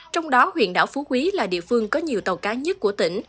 trong đó huyện đảo phú quý là địa phương có nhiều tàu cá nhất của tỉnh